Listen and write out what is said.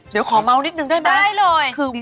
เดี๋ยวขอเมาส์นิดนึงได้ไหมได้เลย